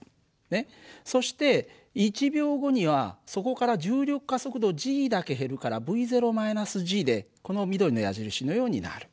そして１秒後にはそこから重力加速度だけ減るからυ−でこの緑の矢印にようになる。